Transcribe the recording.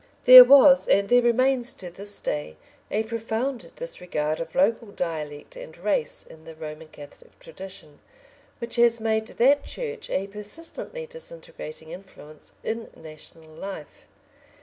There was, and there remains to this day, a profound disregard of local dialect and race in the Roman Catholic tradition, which has made that Church a persistently disintegrating influence in national life.